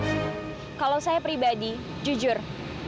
saya sama sekali tidak pernah meminta semua ini dari edo